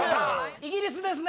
「イギリス」ですね。